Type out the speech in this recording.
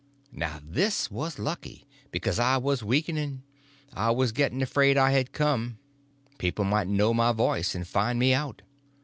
Now this was lucky, because I was weakening; I was getting afraid I had come; people might know my voice and find me out.